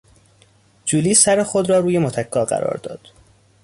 جولی سر خود را روی متکا قرار داد.